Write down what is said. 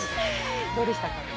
どうでしたか？